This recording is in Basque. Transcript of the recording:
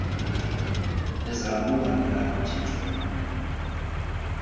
Ez galdu berri garrantzitsuenak.